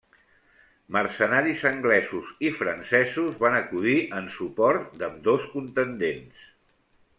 Mercenaris anglesos i francesos van acudir en suport d'ambdós contendents.